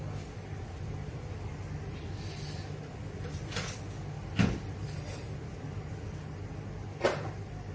อุบิตหรือไม่